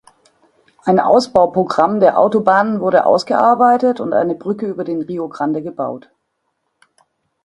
Ein Ausbauprogramm der Autobahnen wurde ausgearbeitet und eine Brücke über den Rio Grande gebaut.